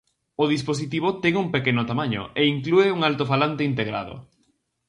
O dispositivo ten un pequeno tamaño e inclúe un altofalante integrado.